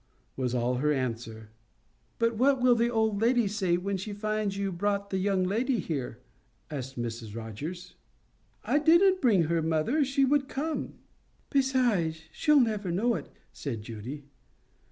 was all her answer. "But what will the old lady say when she finds you brought the young lady here?" asked Mrs Rogers. "I didn't bring her, mother. She would come." "Besides, she'll never know it," said Judy.